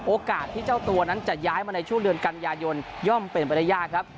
โอกาสที่เจ้าตัวนั้นจะย้ายมาในช่วงเดือนกันยายนย่อมเป็นไปได้ยากครับ